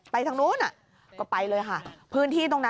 ไปทางนู้นก็ไปเลยค่ะ